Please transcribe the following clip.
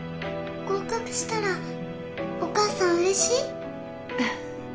合格したらお母さんうれしい？